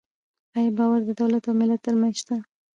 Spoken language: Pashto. آیا باور د دولت او ملت ترمنځ شته؟